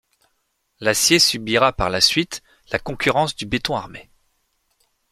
L'acier subira par la suite la concurrence du béton armé.